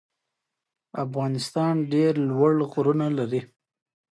ایا زه باید سموسه وخورم؟